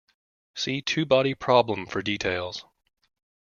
See two-body problem for details.